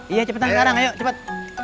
iya cepetan sekarang ayo cepat